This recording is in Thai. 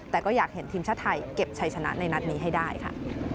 แต่ก็อยากเห็นทีมชาติไทยเก็บชัยชนะในนัดนี้ให้ได้ค่ะ